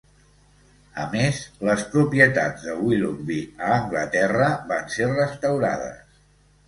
A més, les propietats de Willoughby a Anglaterra van ser restaurades.